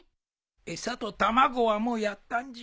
餌と卵はもうやったんじゃ。